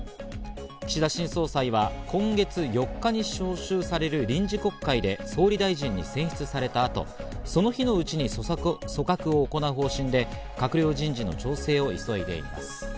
岸田新総裁は今月４日に召集される臨時国会で総理大臣に選出された後、その日のうちに組閣を行う方針で閣僚人事の調整を急いでいます。